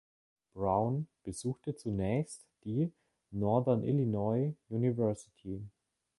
Brown besuchte zunächst die Northern Illinois University.